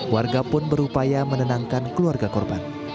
warga pun berupaya menenangkan keluarga korban